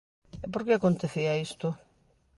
¿E por que acontecía isto?